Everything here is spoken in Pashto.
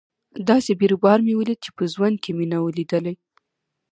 داسې بيروبار مې وليد چې په ژوند کښې مې نه و ليدلى.